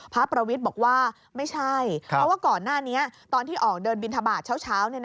พระประวิทธิ์บอกว่าไม่ใช่